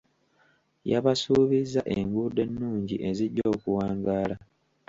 Yabasuubizza enguudo ennungi ezijja okuwangaala.